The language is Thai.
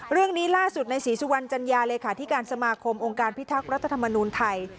เรื่องนี้ล่าสุดในศรีสุวรรณจัญญาเลขาธิการสมาคมองค์การพิทักษ์รัฐธรรมนูลไทย